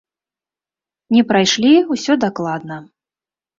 Не прайшлі, усё дакладна.